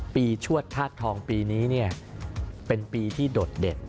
ชวดธาตุทองปีนี้เป็นปีที่โดดเด่น